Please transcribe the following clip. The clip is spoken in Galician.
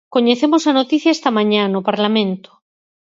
Coñecemos a noticia esta mañá, no Parlamento.